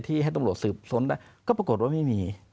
ให้ตำรวจสืบสวนได้ก็ปรากฏว่าไม่มี